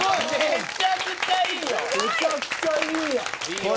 めちゃくちゃいいやん。